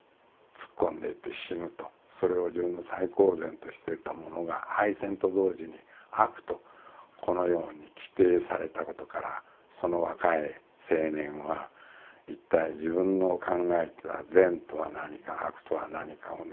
それを自分の最高善としていたものが敗戦と同時に悪とこのように規定されたことからその若い青年は一体自分の考えてた善とは何か悪とは何かをね